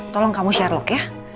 tolong kamu sherlock ya